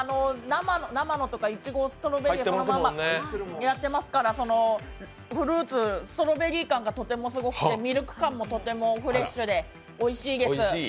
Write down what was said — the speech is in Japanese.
生のストロベリーそのままやってますからフルーツ、ストロベリー感がとてもすごくてミルク感も、とてもフレッシュでおいしいです。